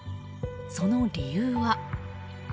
その理由は。